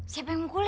siapa yang mukulin